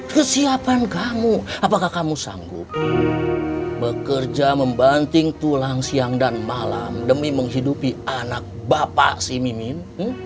kesiapan kamu apakah kamu sanggup bekerja membanting tulang siang dan malam demi menghidupi anak bapak si mimin